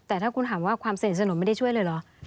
แต่ถ้าคุณถามว่าความสนิทสนมไม่ได้ช่วยเลยเหรอ